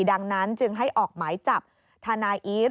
ดังนั้นจึงให้ออกหมายจับทนายอีฟ